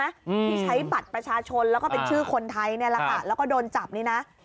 ที่ใช้ปัดประชาชนแล้วก็เป็นชื่อคนไทยแล้วก็โดนจับนี่นะ